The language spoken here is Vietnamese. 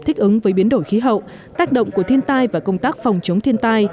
thích ứng với biến đổi khí hậu tác động của thiên tai và công tác phòng chống thiên tai